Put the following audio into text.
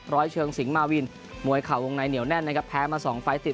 ร้อยเชิงสิงหมาวินมวยเข่าวงในเหนียวแน่นนะครับแพ้มาสองไฟล์ติด